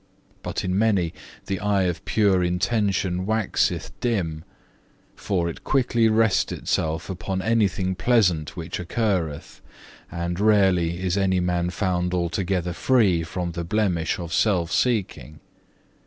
But in many the eye of pure intention waxeth dim; for it quickly resteth itself upon anything pleasant which occurreth, and rarely is any man found altogether free from the blemish of self seeking.